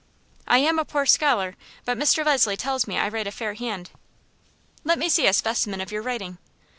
"I am a poor scholar, but Mr. Leslie tells me I write a fair hand." "Let me see a specimen of your writing."